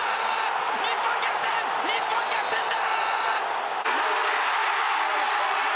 日本、逆転、日本逆転だ！